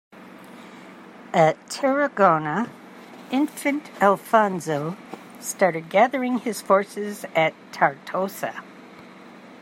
At Tarragona Infant Alfonso started gathering his forces at Tortosa.